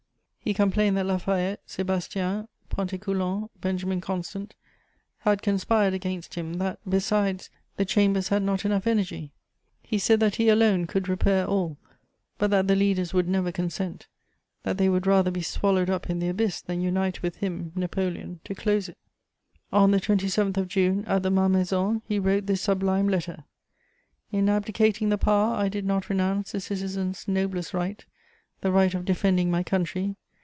He complained that La Fayette, Sébastian, Pontécoulant, Benjamin Constant had conspired against him, that, besides, the Chambers had not enough energy. He said that he alone could repair all, but that the leaders would never consent, that they would rather be swallowed up in the abyss than unite with him, Napoleon, to close it. On the 27th of June, at the Malmaison, he wrote this sublime letter: "In abdicating the power, I did not renounce the citizen's noblest right, the right of defending my country.